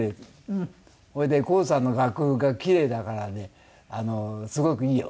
それで「神津さんの楽譜がキレイだからねすごくいいよ」